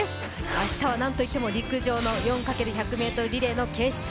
明日は、なんといっても陸上の４×１００ｍリレーの決勝。